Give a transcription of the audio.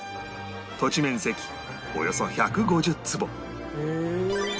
土地面積およそ１５０坪へえ。